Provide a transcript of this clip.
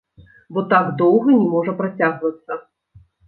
Бо так доўга не можа працягвацца.